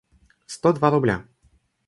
сто два рубля